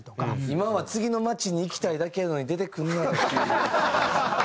今は次の街に行きたいだけやのに出てくるなよっていう。